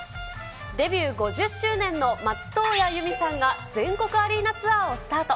デビュー５０周年の松任谷由実さんが全国アリーナツアーをスタート。